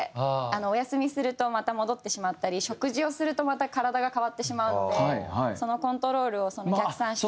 お休みするとまた戻ってしまったり食事をするとまた体が変わってしまうのでそのコントロールを逆算して。